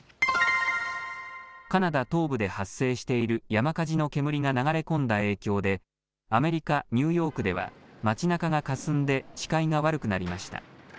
カナダ東部で発生している山火事の煙が流れ込んだ影響でアメリカ・ニューヨークでは街なかがかすんで視界が悪くなりました。